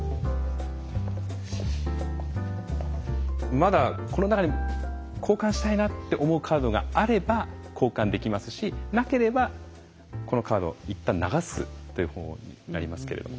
まだこの中に交換したいなって思うカードがあれば交換できますしなければこのカードいったん流すという方法になりますけれども。